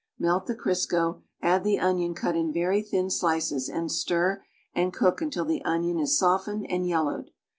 Melt the Criseo; add the onion cut in very tliin slices, and stir and eouk until the onion is softened and ycllo\vcd.